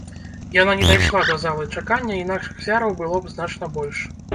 Яна не дайшла да залы чакання, інакш ахвяраў было б значна больш.